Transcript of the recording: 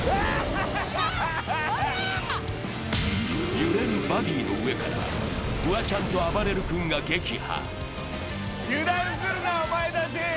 揺れるバギーの上からフワちゃんとあばれる君が撃破。